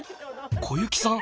小雪さん